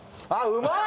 うまい！